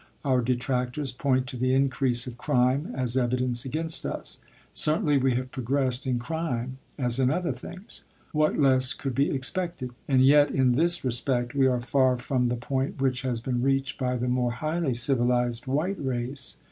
Our detractors point to the increase of crime as evidence against us; certainly we have progressed in crime as in other things; what less could be expected? And yet, in this respect, we are far from the point which has been reached by the more highly civilized white race.